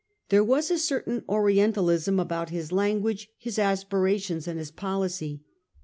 There was a certain Orientalism about his language, his aspirations and his policy.